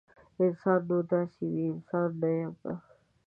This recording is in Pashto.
انسان نو داسې وي؟ انسان نه یمه